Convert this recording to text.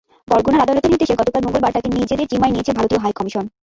বরগুনার আদালতের নির্দেশে গতকাল মঙ্গলবার তাকে নিজেদের জিম্মায় নিয়েছে ভারতীয় হাইকমিশন।